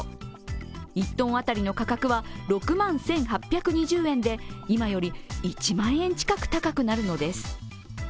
１ｔ当たりの価格は６万１８２０円で今より１万円近く高くなるのです。